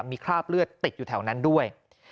มีคราบเลือดติดอยู่แถวนั้นด้วย